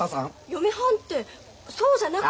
嫁はんってそうじゃなくて。